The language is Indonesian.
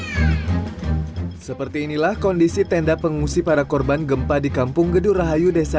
hai seperti inilah kondisi tenda pengungsi para korban gempa di kampung geduh rahayu desa